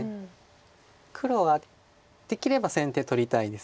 黒はできれば先手取りたいです